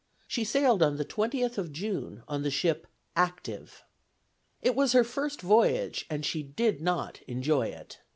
She sailed on the 20th of June, on the ship Active. It was her first voyage, and she did not enjoy it.